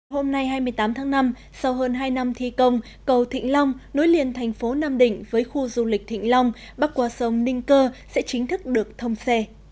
hôm nay hai mươi tám tháng năm sau hơn hai năm thi công cầu thịnh long nối liền thành phố nam định với khu du lịch thịnh long bắc qua sông ninh cơ sẽ chính thức được thông xe